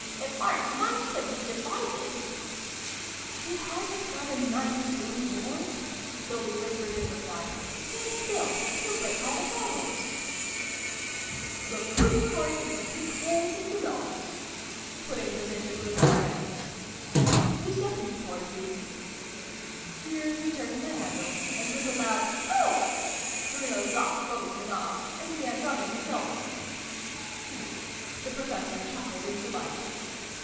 " It aren't nice to be divided !"" He hasn't got a knife, silly boy !" Sylvie whispered in reply. " Stand still ! You'll break all the bottles !"" The first part is to take hold of the knobs," putting them into Bruno's hands. " The second part is Here he turned the handle, and, with a loud " Oh !", Bruno dropped both the knobs, and began rubbing his elbows. The Professor chuckled in delight.